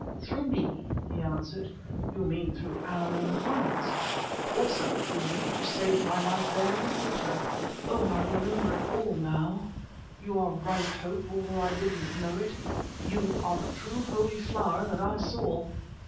"Through me," he answered. "You mean through Allan and Hans. Also it was you who saved my life there in the water. Oh! I remember it all now. You are right, Hope; although I didn't know it, you are the true Holy Flower that I saw."